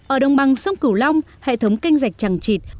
ở đồng bằng sông cửu long hệ thống kênh dạch trằng trịt